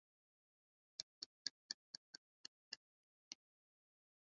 una weza ukamenya viazi lishe baada ya kuiva